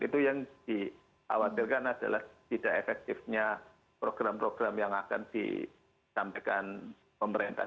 itu yang dikhawatirkan adalah tidak efektifnya program program yang akan disampaikan pemerintah